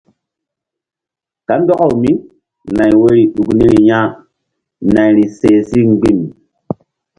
Kandɔkawmínay woyri ɗuk niri ya nayri seh si mgbi̧m.